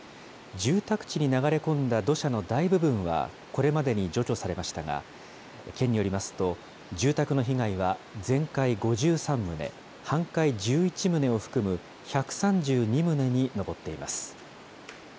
住宅地に流れ込んだ土砂の大部分は、これまでに除去されましたが、県によりますと、住宅の被害は全壊５３棟、半壊１１棟を含む、１３２棟に上っています。